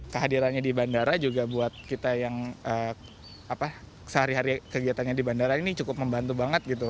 kehadirannya di bandara juga buat kita yang sehari hari kegiatannya di bandara ini cukup membantu banget gitu